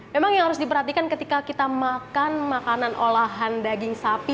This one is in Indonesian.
memang yang harus diperhatikan ketika kita makan makanan olahan daging sapi